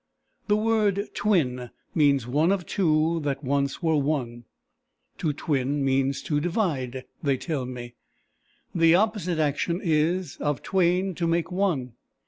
The word twin means one of two that once were one. To twin means to divide, they tell me. The opposite action is, of twain to make one.